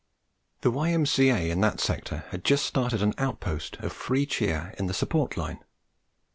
The Y.M.C.A. in that sector had just started an outpost of free cheer in the support line.